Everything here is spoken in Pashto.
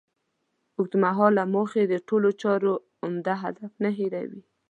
اوږد مهاله موخې د ټولو چارو عمده هدف نه هېروي.